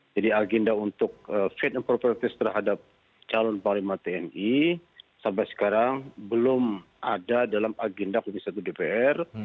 jadi agenda untuk fit and properties terhadap calon panglima tni sampai sekarang belum ada dalam agenda komisi satu dpr